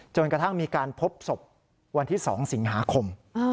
จนกระทั่งพบศพบนที่๒สิงหาคม